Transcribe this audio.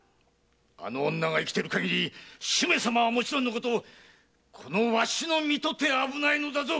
あの女が生きてる限り主馬様はもちろんのことこのわしの身とて危ないのだぞ！